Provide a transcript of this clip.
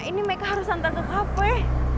ini mereka harus antar ke kafe